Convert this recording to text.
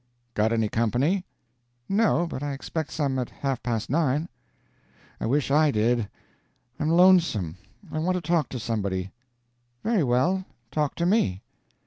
"Got any company?" "No, but I expect some at half past nine." "I wish I did. I'm lonesome. I want to talk to somebody." "Very well, talk to me."